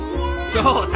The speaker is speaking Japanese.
翔太！